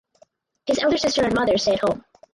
His elder sister and mother stay at home.